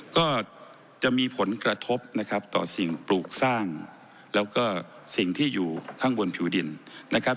ก็จะมีผลกระทบนะครับต่อสิ่งปลูกสร้างแล้วก็สิ่งที่อยู่ข้างบนผิวดินนะครับ